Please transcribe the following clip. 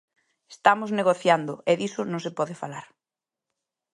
Estamos negociando e diso non se pode falar.